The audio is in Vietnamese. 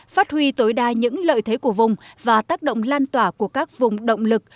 phát huy tối đa những lợi thế của vùng và tác động lan tỏa của các vùng động lực